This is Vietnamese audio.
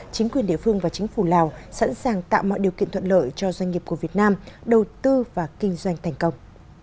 chính quyền địa phương và chính phủ lào sẵn sàng tạo mọi điều kiện thuận lợi cho doanh nghiệp của việt nam đầu tư và kinh doanh thành công